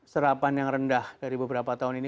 serapan yang rendah dari beberapa tahun ini